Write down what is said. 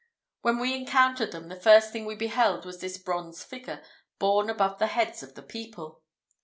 When we encountered them, the first thing we beheld was this bronze figure, borne above the heads of the people.